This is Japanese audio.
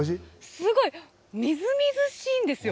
すごい、みずみずしいんですよ。